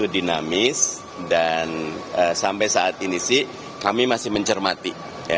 dan sampai saat ini sih kami masih mencermati